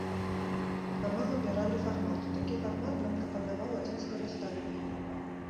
А мы выбіралі фармат, такі фармат нам прапанаваў адзін з карыстальнікаў.